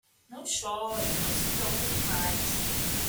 Não chore, não se preocupe mais.